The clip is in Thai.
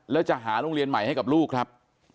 แล้วจะหาโรงเรียนใหม่ให้กับลูกครับ